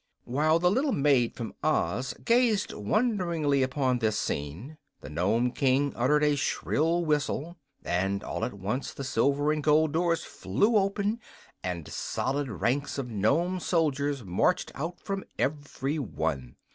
While the little maid from Oz gazed wonderingly upon this scene the Nome King uttered a shrill whistle, and at once all the silver and gold doors flew open and solid ranks of Nome soldiers marched out from every one.